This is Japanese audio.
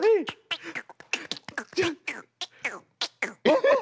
えっ！